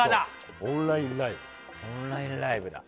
オンラインライブ。